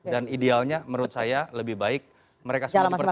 dan idealnya menurut saya lebih baik mereka semua di pertandingan